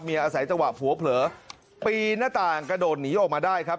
อาศัยจังหวะผัวเผลอปีนหน้าต่างกระโดดหนีออกมาได้ครับ